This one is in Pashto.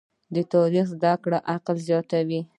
د تاریخ زده کړه عقل زیاتوي.